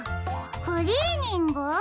クリーニング？